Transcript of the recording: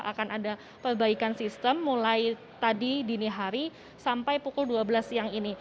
akan ada perbaikan sistem mulai tadi dini hari sampai pukul dua belas siang ini